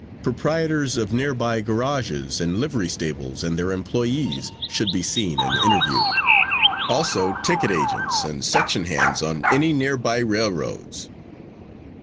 Proprietors of nearby garages and livery stables and their employees should be seen and interviewed; also ticket agents and section hands on any nearby railroads.